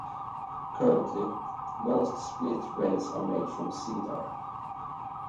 Currently, most split rails are made from cedar.